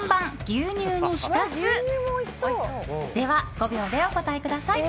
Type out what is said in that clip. ５秒でお答えください。